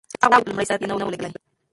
څراغ ولې په لومړي سر کې نه و لګېدلی؟